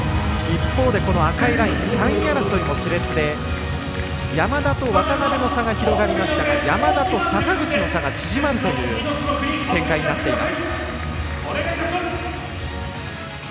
一方で赤いライン３位争いもしれつで山田と渡部の差が広がりましたが山田と坂口の差が縮まるという展開になっています。